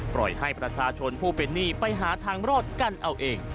ปล่อยให้ประชาชนผู้เป็นหนี้ไปหาทางรอดกันเอาเอง